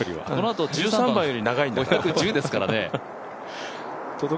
このあとの１３番は５１０ですからね。